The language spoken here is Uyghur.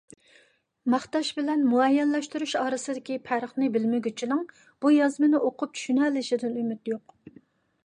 ماختاش بىلەن مۇئەييەنلەشتۈرۈش ئارىسىدىكى پەرقنى بىلەلمىگۈچىنىڭ بۇ يازمىنى ئوقۇپ چۈشىنەلىشىدىن ئۈمىد يوق.